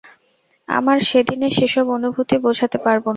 আমার সেদিনের সেসব অনুভূতি বোঝাতে পারব না।